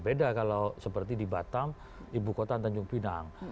beda kalau seperti di batam ibu kota tanjung pinang